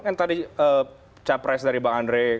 kan tadi capres dari bang andre